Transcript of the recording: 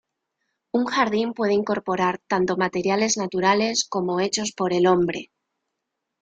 Un jardín puede incorporar tanto materiales naturales como hechos por el hombre.